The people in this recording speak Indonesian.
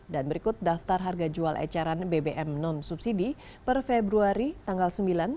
dan berikut daftar harga jual ecaran bbm non subsidi per februari tanggal sembilan dua ribu sembilan belas